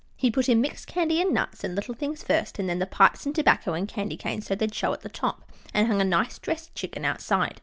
He put in mixed candy and nuts and little things first, and then the pipes and tobacco and candy canes, so they'd show at the top, and hung a nice dressed chicken outside.